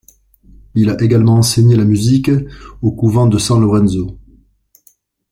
Il a également enseigné la musique au couvent de San Lorenzo.